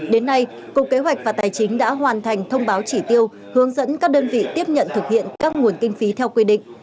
đến nay cục kế hoạch và tài chính đã hoàn thành thông báo chỉ tiêu hướng dẫn các đơn vị tiếp nhận thực hiện các nguồn kinh phí theo quy định